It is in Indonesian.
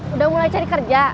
udah mulai cari kerja